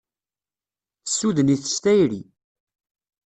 Tessuden-it s tayri